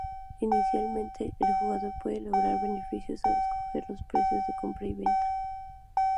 Inicialmente, el jugador puede lograr beneficios al escoger los precios de compra y venta.